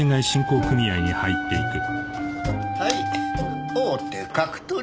はい王手角取り。